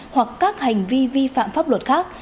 hoặc các hành vi vi phạm pháp luật khác